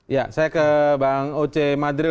ya saya ke bang oce madril